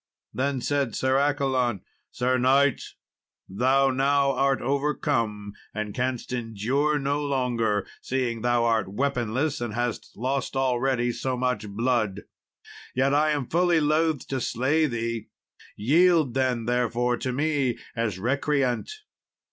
Then said Sir Accolon, "Sir knight, thou now art overcome and canst endure no longer, seeing thou art weaponless, and hast lost already so much blood. Yet am I fully loth to slay thee; yield, then, therefore, to me as recreant."